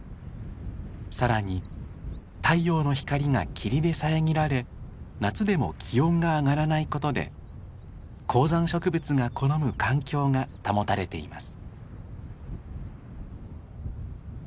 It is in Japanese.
更に太陽の光が霧で遮られ夏でも気温が上がらないことで高山植物が好む環境が保たれています。